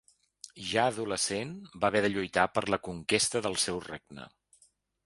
Ja adolescent, va haver de lluitar per la conquesta del seu regne.